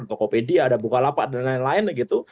tokopedia ada bukalapak dan lain lain gitu